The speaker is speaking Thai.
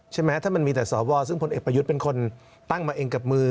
ใช่ไหมถ้ามันมีแต่สวซึ่งพลเอกประยุทธ์เป็นคนตั้งมาเองกับมือ